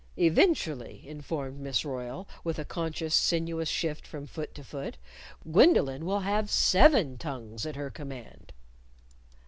"Eventually," informed Miss Royle, with a conscious, sinuous shift from foot to foot, "Gwendolyn will have seven tongues at her command."